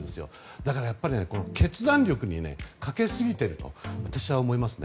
だから、やっぱり決断力に欠けすぎていると私は思いますね。